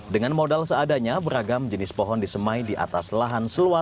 dengan modal seadanya beragam jenis pohon disemai di atas lahan seluas